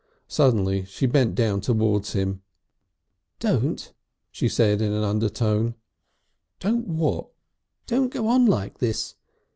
Suddenly she bent down towards him. "Don't!" she said in an undertone. "Don't what?" "Don't go on like this!